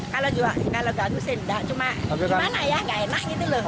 kalau ganggu sendak cuma gimana ya nggak enak gitu loh